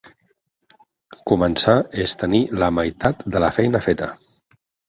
Començar és tenir la meitat de la feina feta.